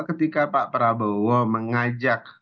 ketika pak prabowo mengajak